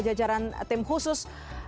jajaran tim khusus